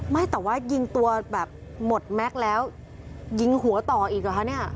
ไม่แต่ว่ายิงตัวแบบหมดแม็กซ์แล้วยิงหัวต่ออีกเหรอคะเนี่ย